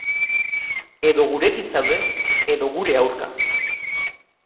Edo gurekin zaude, edo gure aurka.